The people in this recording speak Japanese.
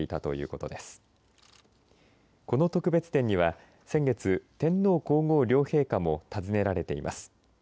この特別展には、先月天皇皇后両陛下も訪ねられています。